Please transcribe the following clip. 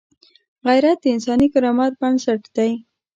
غیرت د انساني کرامت بنسټ دی